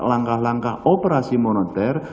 langkah langkah operasi moneter